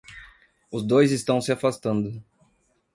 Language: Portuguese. Os dois estão se afastando